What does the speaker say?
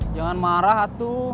jangan marah atu